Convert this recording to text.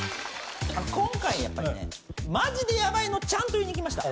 今回やっぱりねマジでヤバいのちゃんと言いに来ました。